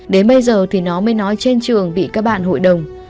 đến bây giờ thì nó mới nói trên trường bị các bạn hội đồng